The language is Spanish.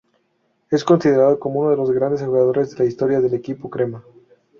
Es considerado como uno de los grandes jugadores de la historia del equipo "crema".